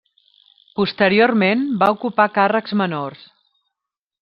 Posteriorment va ocupar càrrecs menors.